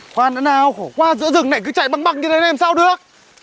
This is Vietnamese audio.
khoan nữa nào khổ quá giữa rừng này cứ chạy băng băng như thế này làm sao được